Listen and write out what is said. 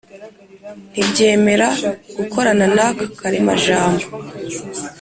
ntibyemera gukorana n'aka karemajambo